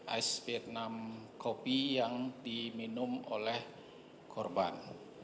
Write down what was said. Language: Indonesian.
ice vietnam kopi yang diminum oleh korban